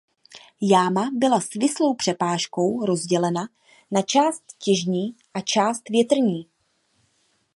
Jáma byla svislou přepážkou rozdělena na část těžní a část větrní.